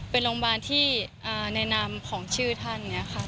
เป็นโรงพยาบาลที่ในนามของชื่อท่านอย่างนี้ค่ะ